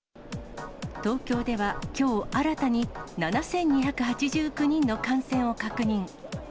東京では、きょう新たに７２８９人の感染を確認。